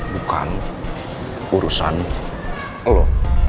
bukan urusan lo